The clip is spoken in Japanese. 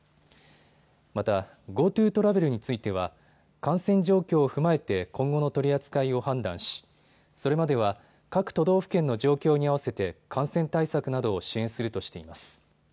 またＧｏＴｏトラベルについては感染状況を踏まえて今後の取り扱いを判断しそれまでは各都道府県の状況に合わせて感染対策などを支援するとしています。